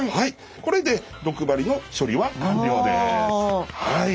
これで毒針の処理は完了です。